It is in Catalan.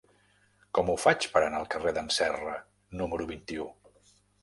Com ho faig per anar al carrer d'en Serra número vint-i-u?